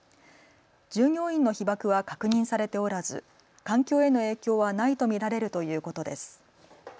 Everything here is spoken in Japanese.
従業員の被ばくは確認されておらず環境への影響はないと見られるということです。